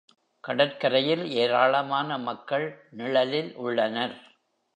கடற்கரையில் ஏராளமான மக்கள் நிழலில் உள்ளனர்.